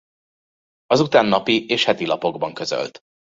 Azután napi- és hetilapokban közölt.